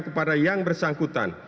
kepada yang bersangkutan